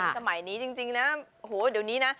สมัยนี้จริงนะโอ้โหเดี๋ยวนี้นะ